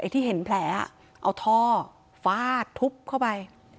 ที่เห็นแผลเอาท่อฟาดทุบเข้าไป